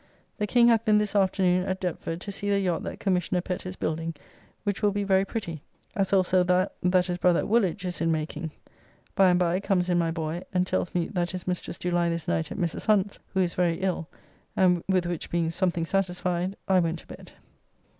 The King hath been this afternoon at Deptford, to see the yacht that Commissioner Pett is building, which will be very pretty; as also that that his brother at Woolwich is in making. By and by comes in my boy and tells me that his mistress do lie this night at Mrs. Hunt's, who is very ill, with which being something satisfied, I went to bed.